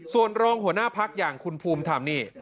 ส่วนรองหัวหน้าพักอย่างคุณภูมิธรรมนี่